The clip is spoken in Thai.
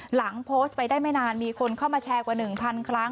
หลังโพสต์ไปได้ไม่นานมีคนเข้ามาแชร์กว่า๑๐๐ครั้ง